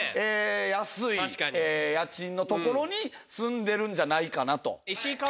安い家賃の所に住んでるんじゃないかなと。